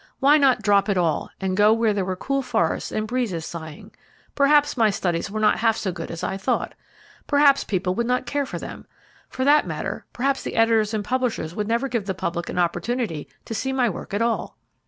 Why not drop it all, and go where there were cool forests and breezes sighing? Perhaps my studies were not half so good as I thought! Perhaps people would not care for them! For that matter, perhaps the editors and publishers never would give the public an opportunity to see my work at all!